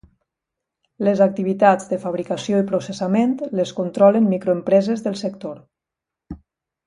Les activitats de fabricació i processament les controlen microempreses del sector.